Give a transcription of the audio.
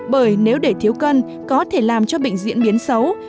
bởi nếu để thiếu cân có thể làm cho bệnh diễn biến xấu